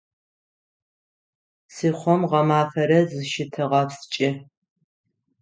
Псыхъом гъэмафэрэ зыщытэгъэпскӏы.